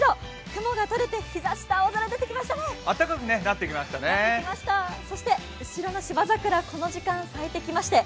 雲がとれて日ざしと青空が出てきましたね。